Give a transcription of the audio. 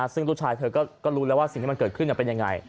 ซึ่งลูกชายเธอก็รู้แล้วว่าสิ่งที่มันเกิดขึ้นเป็นยังไง